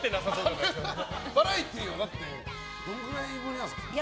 バラエティーはどれぐらいぶりですか？